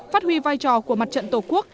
phát huy vai trò của mặt trận tổ quốc